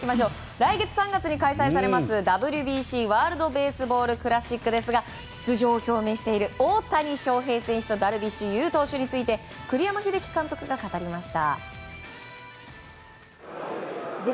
来年３月に開催されますＷＢＣ・ワールド・ベースボール・クラシックですが出場を表明している大谷翔平選手とダルビッシュ有投手について栗山英樹監督が語りました。